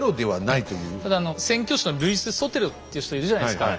ただあの宣教師のルイス・ソテロっていう人いるじゃないですか。